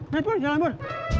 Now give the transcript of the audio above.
nih pur jangan pur